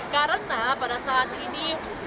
karena pada saat ini